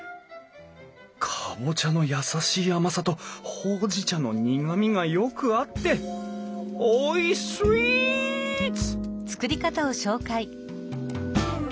カボチャの優しい甘さとほうじ茶の苦みがよく合っておいスイーツ！